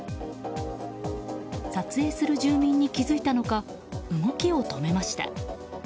撮影する住民に気付いたのか動きを止めました。